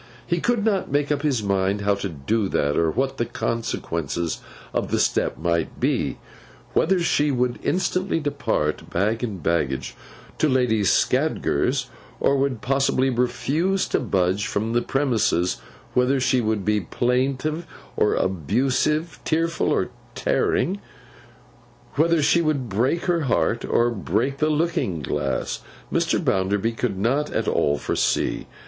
He could not make up his mind how to do that, or what the consequences of the step might be. Whether she would instantly depart, bag and baggage, to Lady Scadgers, or would positively refuse to budge from the premises; whether she would be plaintive or abusive, tearful or tearing; whether she would break her heart, or break the looking glass; Mr. Bounderby could not all foresee.